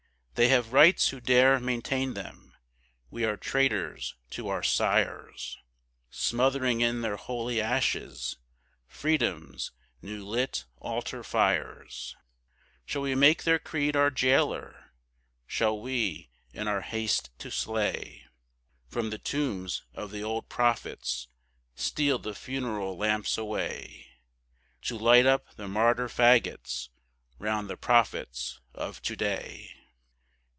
They have rights who dare maintain them; we are traitors to our sires, Smothering in their holy ashes Freedom's new lit altar fires; Shall we make their creed our jailer? Shall we, in our haste to slay, From the tombs of the old prophets steal the funeral lamps away To light up the martyr fagots round the prophets of to day?